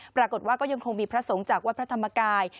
ปรากฏว่าก็ยังคงมีพระสงฆ์จากวัดพระธรรมกาย